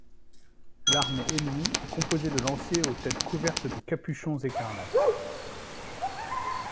L'armée ennemie est composée de lanciers aux têtes couvertes de capuchons écarlates.